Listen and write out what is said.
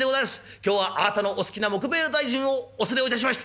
今日はあなたのお好きな杢兵衛大尽をお連れ致しました。